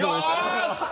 よし！